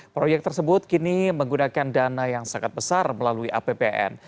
proyek tersebut kini menggunakan dana yang sangat besar melalui apbn